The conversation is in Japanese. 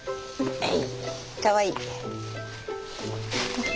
はい！